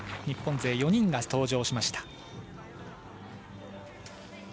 日本勢４人が登場しました。